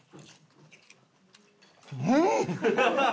うん！